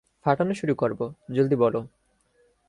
ফাটানো শুরু করবো, জলদি বলো।